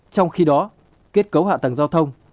trong khi đó kết cấu hạ tầng giao thông